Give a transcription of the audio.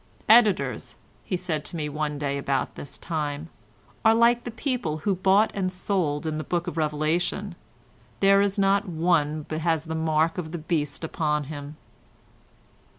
"Editors," he said to me one day about this time, "are like the people who bought and sold in the book of Revelation; there is not one but has the mark of the beast upon him."